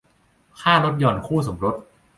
ค่าลดหย่อนคู่สมรส